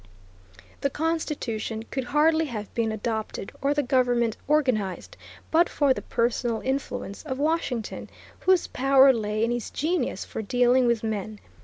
The Constitution could hardly have been adopted or the government organized but for the personal influence of Washington, whose power lay in his genius for dealing with men.